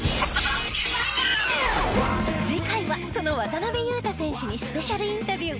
次回はその渡邊雄太選手にスペシャルインタビュー。